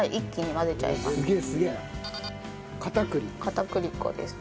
片栗粉です。